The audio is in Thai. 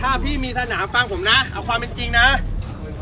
ถ้าพี่มีถนามแล้วไม่ให้เด็กน้อยเข้ามาในถนาม